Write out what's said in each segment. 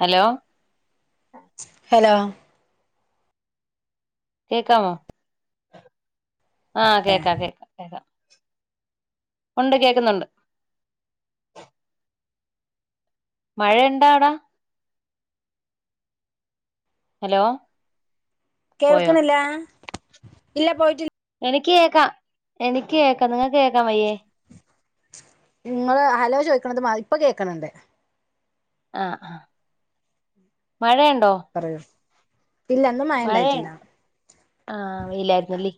Hello hello കേക്കാമോ ആഹ് കേക്കാം കേക്കാം ഒണ്ട് കേക്കുന്നൊണ്ട് മഴ ഇണ്ടാ അവിടെ ഹലോ പോയോ കേൾക്ക്ണില്ലാ ഇല്ല പോയിട്ടില്ല എനിക്ക് കേക്കാം എനിക്ക് കേക്കാം നിങ്ങൾ കേക്കാം വയ്യേ ഇങ്ങള് ഹലോ ചോയ്ക്കണത് മാ ഇപ്പൊ കേക്കണണ്ടേ ആഹ് ആഹ് മഴയുണ്ടോ പറയൂ ഇല്ല ഇന്ന് മഴ മഴയ്ണ്ട ഉണ്ടായിട്ടില്ല ആഹ് വെയിലായിരുന്നല്ലേ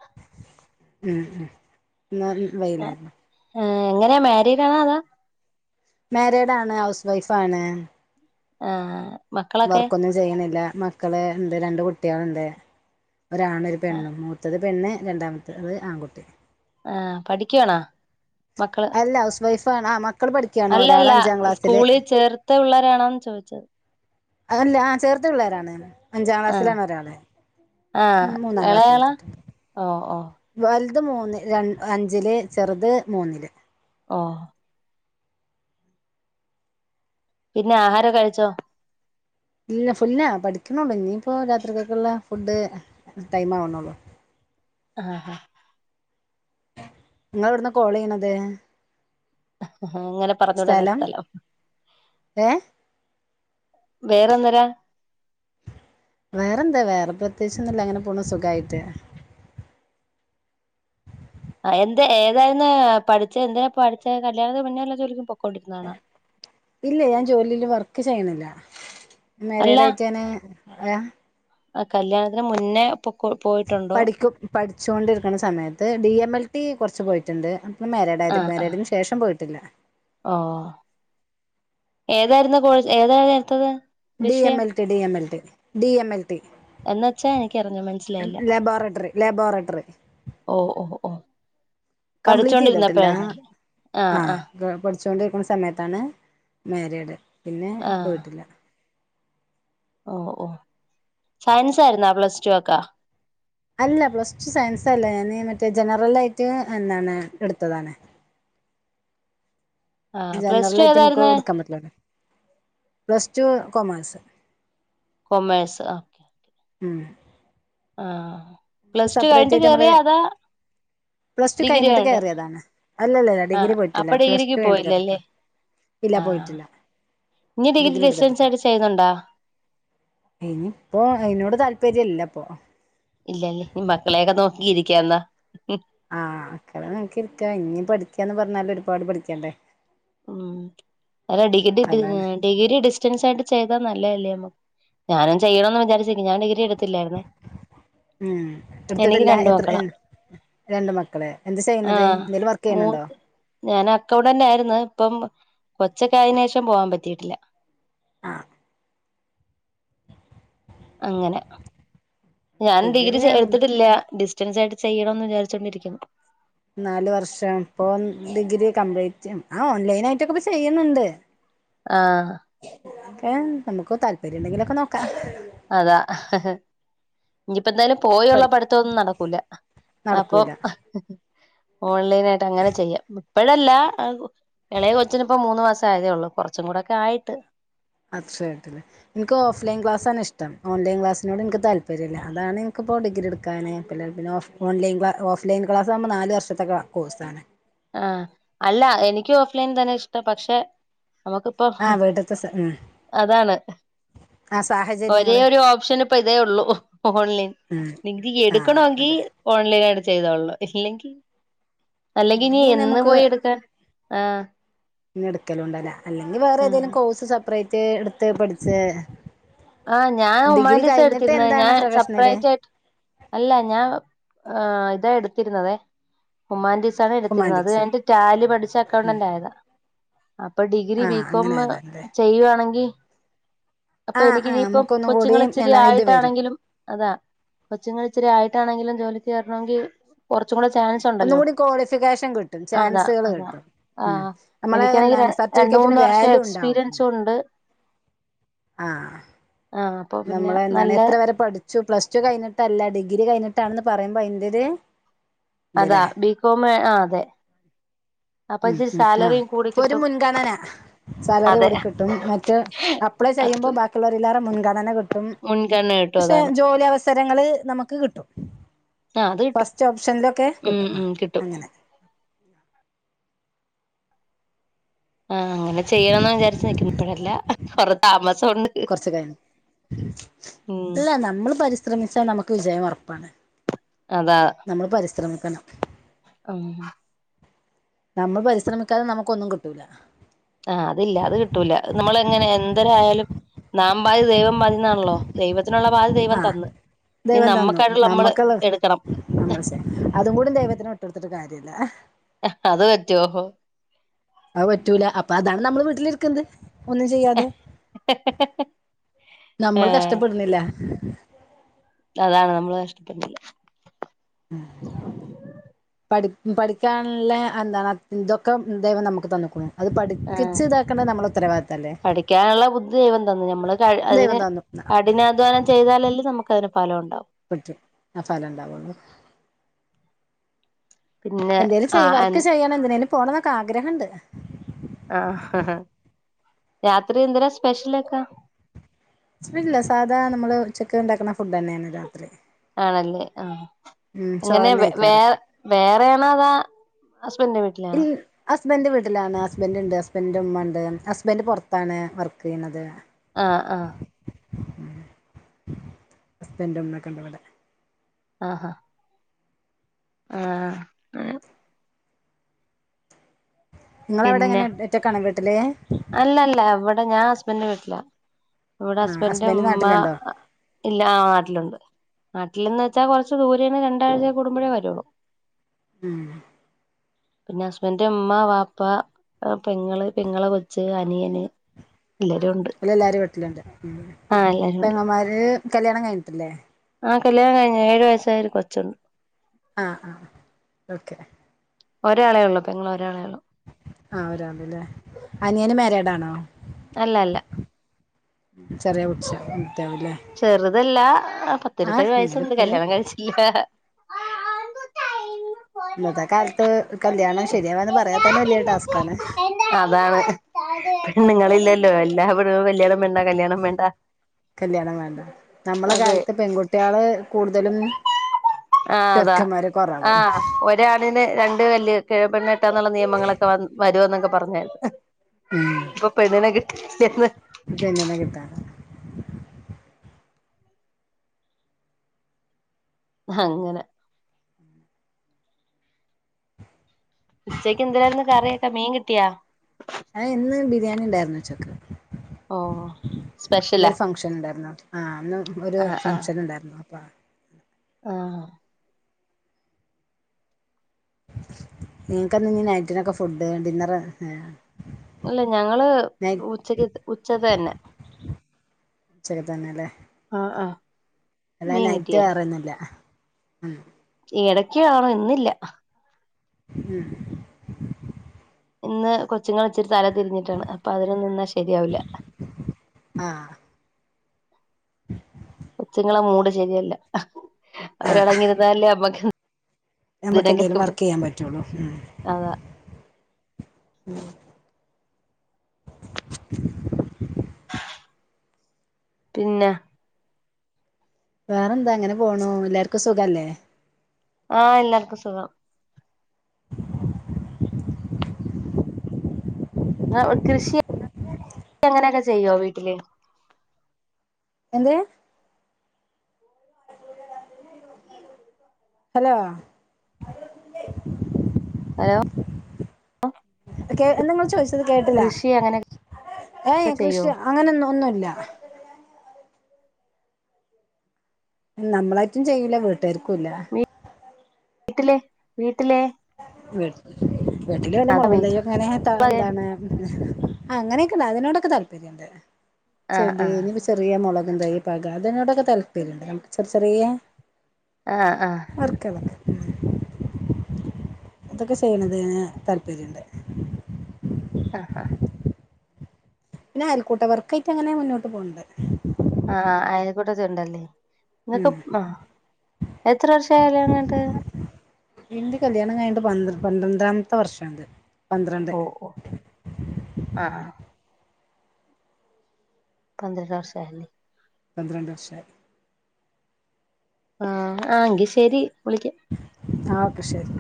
ഉം ഉം ഇന്ന് വെയിലായിരുന്നു. ആഹ് എങ്ങനെയാ മാരീഡാണോ അതോ? മാരീഡാണ് ഹൗസ് വൈഫാണ് ആഹ് മക്കളൊക്കെ വർക്കൊന്നും ചെയ്യണില്ല മക്കള് ഇണ്ട് രണ്ട് കുട്ട്യാളുണ്ട് ഒരാണ് ഒരു പെണ്ണും മൂത്തത് പെണ്ണ് രണ്ടാമത്തത് ആൺകുട്ടി. ആഹ് പഠിക്കുവാണോ മക്കള് അല്ല ഹൗസ് വൈഫാണ് ആ മക്ക അല്ലല്ല സ്കൂളി ചേർത്ത പിള്ളേരാണോന്ന് ചോദിച്ചത് അല്ല ആ ചേർത്ത പിള്ളേരാണ് അഞ്ചാം ആഹ് ക്ലാസ്സിലാണ് ഒരാള് മൂന്നാം ക്ലാസ്സില് ഉണ്ട് ഓ ഓ വലുത് മൂന്ന് ര അഞ്ചില് ചെറ്ത് മൂന്നില് ഓഹ് പിന്നെ ആഹാരോകെ കഴിച്ചോ ഇല്ല ഫുന്നാ പഠിക്കണൊള്ളൂ ഇനിയിപ്പോ രാത്രികേക്കുള്ള ഫുഡ് ടൈം ആവണള്ളൂ. ആ ഹാ ഇങ്ങളെവിടുന്നാ കോള് ചെയ്യണത്? ആഹ് ഇങ്ങനെ പറഞ്ഞോടതെ സ്ഥലം ഏ വേറെന്നരാ വേറെന്താ വേറെ പ്രത്യേകിച്ച് ഒന്നുല്ല അങ്ങനെ പോണു സുഖായിട്ട്. ആഹ് എന്താ ഏതായിരുന്നു പഠിച്ച് എന്തെ പഠിച്ച കല്യാണത്തിന് മുന്നേ വല്ല ജോലിക്കും പൊക്കോണ്ടിരുന്നതാണോ ഇല്ല ഞാൻ ജോലില് വർക്ക് ചെയ്യണില്ല മേരീഡായിട്ടനെ ഏ ആഹ് കല്യാണത്തിന് മുന്നേ പോയിട്ടുണ്ടോ പഠിക്കും പഠിച്ചോണ്ടിരിക്കണ സമയത്ത് ഡി എം എൽ ടി കൊറച്ച് പോയിട്ടുണ്ട്. മാരീഡ് ആയത് ആഹ് ആഹ് മാരീഡിന് ശേഷം പോയിട്ടില്ല. ഓ ഏതായിരുന്നു കോഴ് ഏതായിരുന്നു എടുത്തത് ഡി എം വിഷയം L T, D M L T, D M L T എന്ന് വെച്ചാ എനിക്കറിഞ്ഞു മനസ്സിലായില്ല ലബോറട്ടറി ലബോറട്ടറി ഓ ഓ ഓ കംപ്ലീറ്റ് പഠിച്ചോൊണ്ടിരുന്നപ്പോഴായിരുന്ന ല്ലേ ആഹ് ആഹ് ഓ പഠിച്ചുകൊണ്ടിരിക്കുന്ന സമയത്താണ് മാരീഡ് പിന്നെ ആഹ് പോയിട്ടില്ല. ഓ ഓ സയൻസ് ആയിരുന്നാ പ്ലസ് ടു ഒക്കെ അല്ല പ്ലസ് ടു സയൻസ് അല്ല ഞാൻ മറ്റേ ജനറൽ ആയിട്ട് എന്താണ് എടുത്തതാണ്. ആഹ് പ്ലസ് ജനറൽ ടു ആയിട്ട് നമുക്ക് ഏതായിരുന്നു എടുക്കാൻ പറ്റില്ലെ പ്ലസ് ടു കോമേഴ്സ്. കൊമഴ്സ് ആഹ് ഉം ആഹ് പ്ലസ് ടു സെപ്പറേറ്റ് കഴിഞ്ഞിട്ട് ആയിട്ട് നമ്മള് കേറിയ അതാ പ്ലസ് ടു കഴിഞ്ഞിട്ട് കയറിയതാണ് അല്ലല്ലല്ല ആഹ് ഡിഗ്രി പോയിട്ടില്ല അപ്പൊ പ്ലസ് ടു ഡിഗ്രിക്ക് കഴിഞ്ഞിട്ട് കേറിട്ടോ. പോയില്ലല്ലേ ഇല്ല ആഹ് പോയിട്ടില്ല ഇനി ഡിഗ്രി ഡിസ്റ്റൻസ് ആയിട്ട് ചെയ്യുന്നുണ്ടോ? ഇനി ഇപ്പോ അയിനോട് താല്പര്യല്ല ഇപ്പൊ ഇല്ലല്ലേ ന മക്കളെയൊക്കെ നോക്കിയിരിക്കാന്നാ ആഹ് മക്കള നോക്കിയിരിക്കാ ഇനി പഠിക്കന്ന് പറഞ്ഞാല് ഒരുപാട് പഠിക്കണ്ടേ ഉം അല്ല ഡിഗ്രി അതാണ് ഇ ഡിഗ്രി ഡിസ്റ്റൻസായിട്ട് ചെയ്താ നല്ലേഅല്ലെ ഞാനും ചെയ്യണമെന്ന് വിചാരിച്ചേ ഞാൻ ഡിഗ്രി എടു ഉം എനിക്ക് എടുത്തിട്ടില്ല രണ്ട് എത്ര മക്കളാ രണ്ട് മക്കളെ എന്ത് ചെയ്യണുന്നത് ആഹ് എന്തേലും വർക്ക് മൂ ചെയ്യണണ്ടോ ഞാൻ അക്കൌണ്ടന്റ് ആരുന്നു ഇപ്പം കൊച്ചക്കെ ആയന്റെശേഷം പോവാൻ പറ്റിട്ടില്ല ആഹ് അങ്ങനെ ഞാൻ ഡിഗ്രി എടുത്തിട്ടില്ല ഡിസ്റ്റൻസ് ആയിട്ട് ചെയ്യണന്ന് വിചാരിച്ചോണ്ടിരിക്കുന്നു നാല് വർഷം ഇപ്പൊ ഡിഗ്രി കംപ്ലീറ്റ് ആഹ് ഓൺലൈന ആയിട്ടൊക്കെ ഇപ്പംചെയ്യുന്നുണ്ട് ആഹ് ക്കെ നമുക്ക് താല്പര്യം ഉണ്ടെങ്കിലുംക്കെ നോക്കാം അതാ ഇനിപ്പോ എന്തായാലും പോയുള്ള പഠി പഠിത്തൊന്നും നടക്കൂല അപ്പം നടക്കൂല ഓൺലൈൻ ആയിട്ട് അങ്ങനെ ചെയ്യാം ഇപ്പോഴല്ല ഇളയെ കൊച്ചിനിപ്പോ മൂന്ന് മാസ ആയതേ ഉള്ളൂ കുറച്ചു കൂടെക്കെ ആയിട്ട് അക്ഷയത്തില് ഇനിക്ക് ഓഫലൈൻ ക്ലാസ് ഇഷ്ടം ഓലൈൻ ക്ലാസിനോട് എനിക്ക് താല്പര്യമല്ല അാതാണ് ഇൻക്ക് പ്പം ഡിഗ്രി ഇടുക്കാൻ പിള്ളേ ഓഫ് ഓൺലൈൻ ഓഫ് ലൈൻക്ലാസ് ആവുമ്പോ നാല് വർഷത്തെക്ക കോഴ്സാണ് ആഹ് അല്ല എനിക്കും ഓഫ്ലൈൻ തന്നെ ഇഷ്ടം പക്ഷെ നമുക്ക് അപ്പൊ ആ വീട്ടത്തെ അതാണ് ആഹ് സാഹചയ ഒരേ ഒരു ഓപ്ഷൻ ഇപ്പ ഇതേ ഉള്ളൂ ഓൺലൈൻ ഉം നി ആഹ് എടുക്കണമെങ്കിൽ അതെ ഓൺലൈൻ ആയിട്ട് ചെയ്തോള്ളോ ഇല്ലെങ്കിൽ അല്ലെങ്കി ഇനി ഇല്ലെങ്കി എന്ന് നമുക്ക് പോയി എടുക്കാൻ ആഹ് പിന്നെ എടുക്കലും ഉണ്ടാവുല്ല അല്ലെങ്കിൽ വേറെ ആഹ് ഏതേങ്കിലും കോഴ്സ് സെപ്പറേറ്റ് എടുത്ത് പഠിച്ച് ആഹ് ഞാൻ ഡിഗ്രി ഹുമാലിറ്റി സാ കഴിഞ്ഞിട്ട് എടുത്തിരുന്ന എന്താണ് ഞാൻ പ്രൊഫഷണല് സപ്രൈറ്റ് ആയിട്ട് അല്ല ഞാൻ ഇതാ എടുത്തിരുന്നതേ ഹുമൻ റ്റീസാ ആണ് എടുത്തിരുന്നത് അത് ഹുമാനിറ്റീസ് എന്റെ ടാല് പഠിച്ച അക്കൗണ്ടന്റ് ആയതാ അപ്പൊ ഡിഗ്രി ആഹ് അങ്ങനെ ബികോമ് ആയതാണല്ലേ ചെയ്യുവാണെങ്കി അപ്പൊ ആഹ് ആഹ് എനിക്കിനിയിപ്പം നമുക്കൊന്നും കൂടി കൊച്ചുങ്ങള് ഇച്ചിരി എന്താണ് ഇത് വരും ആയിട്ടാണെങ്കിലും അതാ കൊച്ചുങ്ങൾ ഇച്ചിരി ആയിട്ടാണെങ്കിലും ജോലിക്കേറണെങ്കിൽ കുറച്ചും കൂടെ ചാൻ ഒന്നും സുണ്ടല്ലോ കൂടി ക്വാളിഫിക്കേഷൻ കിട്ടും അതാ ചാൻസുകൾ അതാ കിട്ടും ആ ഉം നമ്മളെ എനിക്കാണങ്കി ര എന്താണ് രണ്ട് സർട്ടിഫിക്കറ്റിന് മൂന്ന് വർഷം വാല്യൂ ഉണ്ടാവും എക്സ്പീരിയൻസും ഉണ്ട് ആ ആഹ് അപ്പൊ പിന്നെ നമ്മള് എന്താണ് നല്ല എത്ര വരെ പഠി ട്ടു പ്ലസ്ടു കഴിഞ്ഞിട്ടല്ല ഡിഗ്രി കയിഞ്ഞിട്ടണെന്ന് പറയുമ്പോ അയ്ന്റൊര് അതാ ബികോമ് ആ അതെ അപ്പൊ ഉം ഇച്ചിരി ഉം ആ സാലറിയും കൂടി ഇപ്പ ഒരു കിട്ടും മുൻഗണന സാലറി അതെ കൂടി കിട്ടും മറ്റേ അപ്ലൈ അത് ചെയ്യുമ്പോൾ ബാക്കിയുള്ളവരെല്ലാവരും മുൻഗണന കിട്ടും മുൻഗണന കിട്ടും പക്ഷെ അതാണ് ജോലിവസ് സരങ്ങള് നമുക്ക് കിട്ടും ആഹ് അത് കിട്ടും ഫസ്റ്റ് ഓപ്ഷനിലൊക്കെ ഉം കിട്ടും ഉം കിട്ടും അങ്ങനെ ആ അങ്ങനെ ചെയ്യണ വിചാരിച്ചു നിക്കുന്നു ഇപ്പഴല്ല കൊറേ താമസുണ്ട് കുറച്ച കാര്യം ഉം ഇല്ല നമ്മള് പരിശ്രമിച്ചാൽ നമുക്ക് വിജയം ഉറപ്പാണ് അതാ നമ്മള് പരിശ്രമിക്കണം ഉം നമ്മൾ പരിശ്രമിക്കാതെ നമുക്കൊന്നും കിട്ടൂല്ല ആഹ് അതില്ല അത് കിട്ടൂല നമ്മള എങ്ങനെ എന്തൊരായാലും നാം പാതി ദൈവം പാതിന്നാണല്ലോ ദൈവത്തിനുള്ള പാതി ദൈവം ആഹ് തന്ന് ഇനി ദൈവം തന്നു നമ്മക്കായിട്ടുള്ള നമ്മള് നമ്മക്കുള്ള എടുക്കണം [unintelligible] അതും കൂടെ ദൈവത്തിന് വിട്ടിടുത്തിട്ട് കാര്യംല്ല അത് പറ്റുവോ അത് പറ്റൂല അപ്പൊ അതാണ് നമ്മള് വീട്ടിലിരിക്കുന്നത് ഒന്നും ചെയ്യാതെ ആ നമ്മൾ കഷ്ടപ്പെടുന്നില്ല അതാണ് നമ്മള് കഷ്ടപ്പെട്ടത് ഉം പഠി പഠിക്കാനുള്ള അല്ലാ ഇതൊക്കെ ദൈവം നമുക്ക് തന്ന്ക്ക്ണു ആ പഠിക്കാനുള്ള ബുദ്ധി ദൈവം തന്നു ഞമ്മള് ക ദൈവം അതിന് തന്നു കഠിനാധ്വാനം ചെയ്താലല്ലേ നമുക്ക് അതിന് ഫലം ഉണ്ടാവു പറ്റും ആ ഫലം ഉണ്ടാവണ്ട് പിന്നെ എന്തേലും ആ ചെയ്യ് വർക്ക് ചെയ്യാൻ എന്തിനേലും പോണം എന്നൊക്കെ ആഗ്രഹണ്ട് ആഹ് ഹ് ഹ രാത്രി എന്ത് രാ സ്പെഷ്യല്ക്കാ ഇല്ല സാധാരണ നമ്മള് ഉച്ചക്ക് ഉണ്ടാക്കുന്ന ഫുഡ് തന്നെയാണ് രാത്രി ആണല്ലേ ആഹ് ഉം അങ്ങനെ ചോറന്നെ വെ കഴിക്കാറ് വേറെ വേറെ ആണോ അതാ ഹസ്ബൻഡിന്റെ വീട്ടി ഈ ഹസ്ബൻറ് വീട്ടിലാണ് ഹസ്ബൻറ് ഉണ്ട് ഹസ്ബൻഡ് ഉമ്മ ഉണ്ട് ഹസ്ബൻഡ് പുറത്താണ് വർക്ക് ചെയ്യുന്നത് ആഹ് ആഹ് ഹസ്ബെൻഡ ഉമ്മക്കെണ്ടിവിടെ ആഹ് ആഹ് ആഹ് നിങ്ങള അവിടെ എങ്ങനെ ഒറ്റക്കാണ വീട്ടില് അല്ല അല്ല ഇവിടെ ഞാൻ ഹസ്ബൻഡിന്റെ വീട്ടില ഇവിടെ ആ ഹസ്ബൻഡിന്റെ ഹസ്ബൻഡ് ഉമ്മ നാട്ടിലുണ്ടോ ഇല്ല ആ നാട്ടിലുണ്ട് നാട്ടിൽന്ന് വച്ചൽ കുറച്ച് ദൂരേണ് രണ്ടാഴ്ച കൂടുമ്പോഴേ വരുള്ളൂ ഉം പിന്നെ ഹസ്ബന്ഡന്റെ ഉമ്മാ ബാ ഇപ്പ പെങ്ങള് പെങ്ങളെ കൊച്ച് അനിയന് എല്ലരും ഉണ്ട് അഎല്ലാവാരും വീട്ടിലുണ്ട് ഉ ആഹ് എല്ലാരും ഉണ്ട് പെങ്ങമാര് കല്ല്യാണം കഴിഞ്ഞിട്ടില്ലേ ആഹ് കല്ല്യാണം കഴിഞ്ഞ് ഏഴ് വയസായ ഒരു കൊച്ചുണ്ട് ആ ഓക്കെ ഒരാളെ ഉള്ളൂ പെങ്ങൾ ഒരാളെ ഉള്ളൂ ആ ഒരാള് ല്ലേ അനിയന് മര്യാഡ് ആണോ അല്ല അല്ല ചെറിയ കൊച്ച് കൊച്ചാവുല്ലേ ചെറുതല്ല പത്തിരുവത്തിഏഴ് വയസ്സുണ്ട് ഇങ്ങനിപ്പൊരു കല്യാണം കഴിച്ചില്ല ഇന്നത്തെ കാലത്ത് കല്യാണം ശരിയാവാന്ന് പറയാ തന്നെ വലിയ ടാസ്ക്ാണ് അതാണ് പെണ്ണുങ്ങളില്ലല്ലോ എല്ലാ പെണ്ണുങ്ങളും കല്യാണം വേണ്ട കല്യാണം വേണ്ട കല്യാണം വേണ്ട നമ്മള അതെ കാലത്ത് പെൺകുട്ടികള് കൂടുതലും ആഹ് അതാ ചെറുക്കന്മാര് കൊറവ് ആഹ് ഒരാണിന് രണ്ട് വല്ല്യ പെണ്ണ് കെട്ടാന്നുള്ള നിയമങ്ങളൊക്കെ വ വരോ എന്നൊക്കെ പറഞ്ഞേരുന്നു ഉം ഇപ്പൊ പെണ്ണിനെ കിട്ടി പെണ്ണിനെ കിട്ടാനില്ല അങ്ങനെ ഉച്ചയ്ക്ക് എന്തിനന്ന് കറിയേക്കെ മീൻ കിട്ടിയാ ആ ഇന്ന് ബിരിയാണി ഉണ്ടായിരുന്നു ഉച്ചക്ക് ഓ ഇന്ന് സ്പെഷ്യലാ ഫങ്ഷൻ ഉണ്ടായിരുന്നു ആഹ് ഒരു ആഹ് ആഹ് ഫംഗഷൻ ഉണ്ടായിരുന്നു പ്പ ആഹ് നിങ്ങൾക്ക് നീ നൈറ്റിനൊക്കെ ഫുഡ് ഡിന്നർ ഇല്ല ഞങ്ങള് ഉച്ചക്ക് ഉച്ചത് തന്നെ ഉച്ചക്കത്തെ തന്നെല്ലേ ആഹ് ആഹ് എല്ലാ മീൻ നൈറ്റ് കിട്ടിയായിരുന്നു വേറെന്നില്ല ഉം എടക്കാണ് ഇന്നില്ല ഉം ഇന്ന് കൊച്ചുങ്ങള് ഇച്ചിരി തല തിരിഞ്ഞിട്ടാണ്. അപ്പൊ അവര് നിന്നാൽ ശരിയാവില്ല. ആഹ് കൊച്ചുങ്ങടെമൂട് ശരിയല്ല. അവരടങ്ങിരുന്നാലല്ലേനമ്മക്ക് നമ്മക്ക് എന്തേലും വർക്ക് ചെയ്യാൻ പറ്റുള്ളൂ. ഉം. അതാ [unintelligible] പിന്നെ വേറെ എന്താ ഇങ്ങനെ പോണു. എല്ലാർക്കും സുഖല്ലേ? ആ എല്ലാർക്കും സുഖം. ആ കൃഷി അങ്ങനെയൊക്കെ ചെയ്യോ വീട്ടില്? എന്ത്? ഹലോ ഹലോ കേ എന്താ ഇങ്ങള് ചോയിച്ചത് കേട്ടില്ല കൃഷി അങ്ങനെയൊക്കെ ഏ എ ചെയ്യോ കൃഷി അങ്ങനൊന്നു ഒന്നുല്ല. നമ്മളായിട്ടും ചെയ്യൂല. വീട്ടുകാർക്കു ഇല്ല. വീട്ടിലെ വീട്ടിലെ വി വീട്ടില് വല്ല അതാ മോളകും വീട്ടിൽ തെയ്യൊക്കെ ഇങ്ങനെ ത ന്താണ് അങ്ങനെക്കെണ്ട് അതിനോടൊക്ക താല്പര്യണ്ട് ആഹ് ചെടി ആഹ് ഇഞ്ഞിപ്പ ചെ ചെറിയ മോളകും തൈ പാക അതിനോടൊക്ക താല്പര്യ ഉണ്ട്. നമുക്ക് ചെർ ചെറിയെ ആഹ് ആഹ് [unintelligible] അതൊക്ക ചെയ്യ്ണതിന് താല്പര്യണ്ട്. ആ ഹാ പിന്നെ അയൽക്കൂട്ട വർക്കായിട്ട് അങ്ങനെ മുന്നോട്ട് പോവ്ണ്ട്. ആ ആ അയൽക്കൂട്ടത്തിലുണ്ടല്ലേ ഇങ്ങക്ക് ഉം ആഹ് എത്ര വർഷായി കല്യാണം കഴിഞ്ഞിട്ട് ഇന്റെ കല്യാണം കഴിഞ്ഞിട്ട് പന്ത്ര പന്ത്രണ്ടാമത്തെ വർഷാണ്ത്. ഓ ഓ ആഹ് പന്ത്രണ്ട് വർഷ ആയല്ലേ പന്ത്രണ്ട് വർഷായി. ആഹ് ആ എങ്കി ശെരി വിളിക്കാം. ആ ഓക്കെ ശെരി.